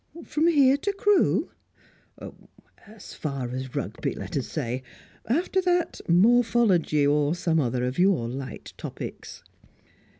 "From here to Crewe?" "As far as Rugby, let us say. After that morphology, or some other of your light topics."